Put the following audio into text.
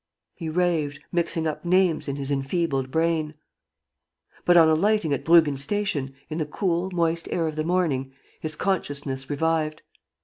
..." He raved, mixing up names in his enfeebled brain. But, on alighting at Bruggen Station, in the cool, moist air of the morning, his consciousness revived.